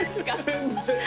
全然。